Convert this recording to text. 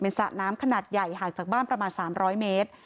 สระน้ำขนาดใหญ่ห่างจากบ้านประมาณ๓๐๐เมตร